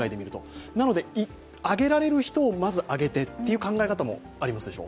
なので、上げられる人をまず上げてっていう考え方もあるでしょう？